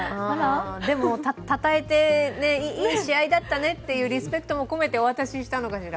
でもたたえて、いい試合だったねってリスペクトも込めて渡したのかしら。